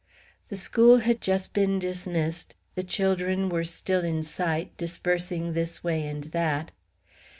The school had just been dismissed; the children were still in sight, dispersing this way and that.